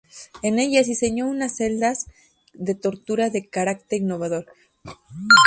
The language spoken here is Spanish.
En ellas, diseñó unas celdas de tortura de carácter innovador.